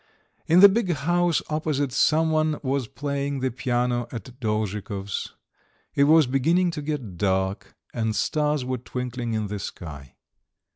In the big house opposite someone was playing the piano at Dolzhikov's. It was beginning to get dark, and stars were twinkling in the sky.